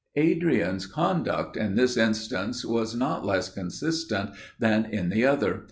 Adrian's conduct in this instance, was not less consistent than in the other.